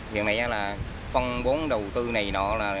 hiện nay là phân bốn đầu tư này nó là